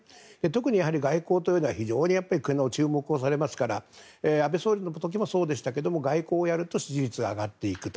特に外交というのは非常に注目をされますから安倍総理の時もそうでしたけど外交をやると支持率が上がっていく。